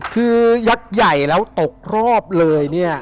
คือยักษ์ใหญ่แล้วตกรอบเลยเนี่ย